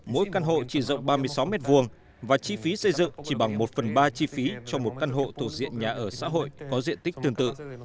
mỗi căn hộ chỉ rộng ba mươi sáu m hai và chi phí xây dựng chỉ bằng một phần ba chi phí cho một căn hộ thuộc diện nhà ở xã hội có diện tích tương tự